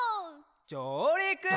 じょうりく！